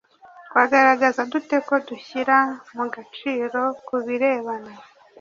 Twagaragaza dute ko dushyira mu gaciro ku birebana